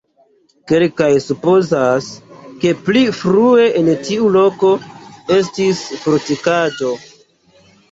Kelkaj supozas, ke pli frue en tiu loko estis fortikaĵo.